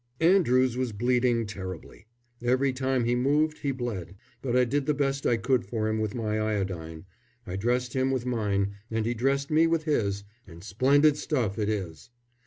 Andrews was bleeding terribly every time he moved he bled; but I did the best I could for him with my iodine I dressed him with mine, and he dressed me with his, and splendid stuff it is.